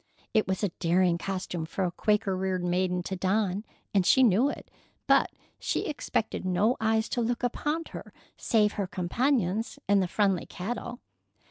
It was a daring costume for a Quaker reared maiden to don, and she knew it, but she expected no eyes to look upon her save her companions and the friendly cattle.